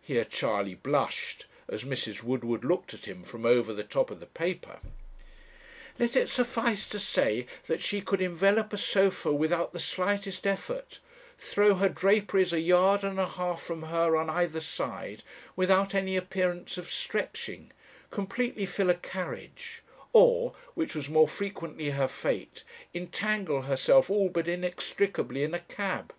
Here Charley blushed, as Mrs. Woodward looked at him from over the top of the paper. "Let it suffice to say that she could envelop a sofa without the slightest effort, throw her draperies a yard and a half from her on either side without any appearance of stretching, completely fill a carriage; or, which was more frequently her fate, entangle herself all but inextricably in a cab.